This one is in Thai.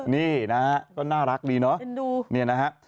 นี่นะครับน่ารักดีเนาะ